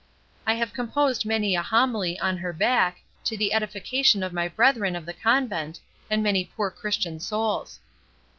I have composed many a homily on her back, to the edification of my brethren of the convent, and many poor Christian souls."